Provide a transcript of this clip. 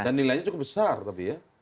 dan nilainya cukup besar tapi ya